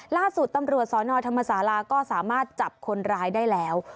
ล่าสุดตำรวจสนธรรมศาลาก็สามารถจับคนร้ายได้แล้ว